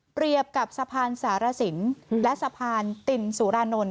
กับสะพานสารสินและสะพานตินสุรานนท์